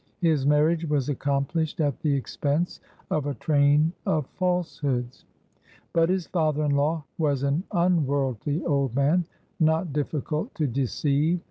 His marriage was accomplished at the expense of a train of falsehoods, but his father in law was an unworldly old man, not difficult to deceive.